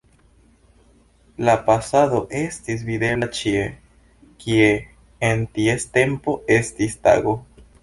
La pasado estis videbla ĉie, kie en ties tempo estis tago.